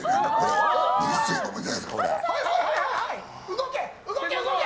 動け！